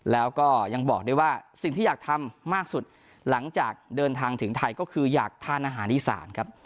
แล้วก็ยังบอกได้ว่าสิ่งที่อยากทำมากสุดหลังจากเดินทางถึงไทยก็คืออยากทานอาหารอีสานครับ